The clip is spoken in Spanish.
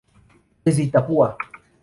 Desde Itapúa.